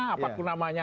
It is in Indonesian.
apakah itu namanya